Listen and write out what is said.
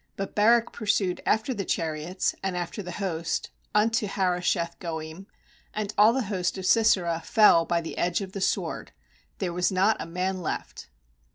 16But Barak pursued after the chariots, and after the host, unto Harosheth goiim; and all the host of Sisera fell by the edge of the sword; there was not a man left.